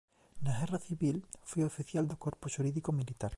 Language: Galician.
Na guerra civil foi oficial do corpo xurídico militar.